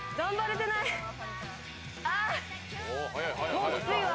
もうきついわ。